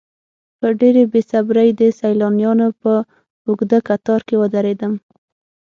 په ډېرې بې صبرۍ د سیلانیانو په اوږده کتار کې ودرېدم.